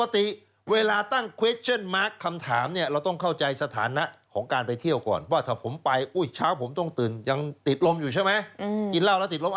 ติดล้มอยู่ใช่ไหมกินเหล้าแล้วติดล้ม